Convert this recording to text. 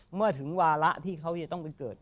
เมื่อถึงวาระที่เขาจะต้องไปเกิด